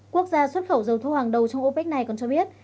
quốc gia xuất khẩu dầu thu hoàng đầu trong opec này còn cho biết